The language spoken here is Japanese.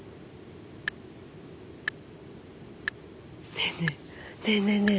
ねえねえねえねえねえ。